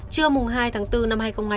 trưa hai tháng bốn năm hai nghìn hai mươi